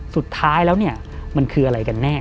สุดท้ายแล้วเนี่ยมันคืออะไรกันแน่